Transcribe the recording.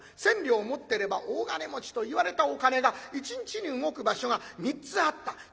千両持ってれば大金持ちといわれたお金が一日に動く場所が３つあった。